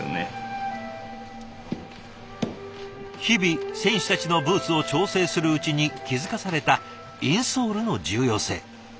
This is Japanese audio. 日々選手たちのブーツを調整するうちに気付かされたインソールの重要性。